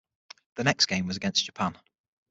The next game was against Japan.